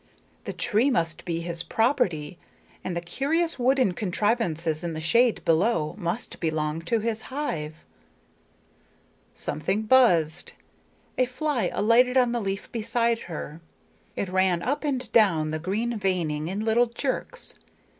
The tree must be his property, and the curious wooden contrivances in the shade below must belong to his hive. Something buzzed; a fly alighted on the leaf beside her. It ran up and down the green veining in little jerks.